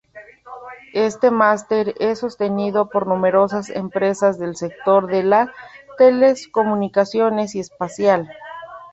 Este Máster es sostenido por numerosas empresas del sector de las telecomunicaciones y espacial.